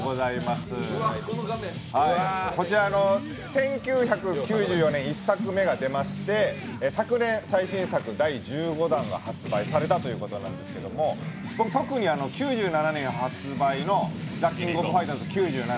１９９４年に１作目が出まして昨年、最新作第１５弾が発売されたということなんですけども、特に９７年発売の「ザ・キング・オブ・ファイターズ９７」。